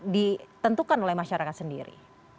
ditentukan oleh masyarakat sendiri